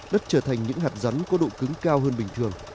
đất trở thành những hạt rắn có độ cứng cao hơn bình thường